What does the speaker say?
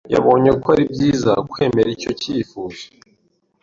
Yabonye ko ari byiza kwemera icyo cyifuzo.